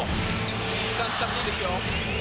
時間使っていいですよ。